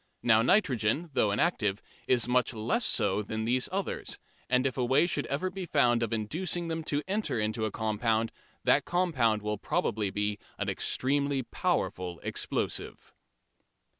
Now nitrogen, though inactive, is much less so than these others, and if a way should ever be found of inducing them to enter into a compound, that compound will probably be an extremely powerful explosive.